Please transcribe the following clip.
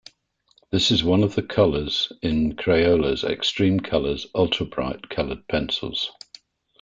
This is one of the colors in Crayola's eXtreme colors ultra-bright colored pencils.